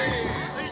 はい！